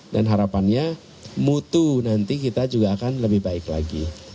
dan harapannya mutu nanti kita juga akan lebih baik lagi